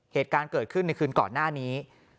เหตุการณ์เกิดขึ้นในคืนก่อนหน้านี้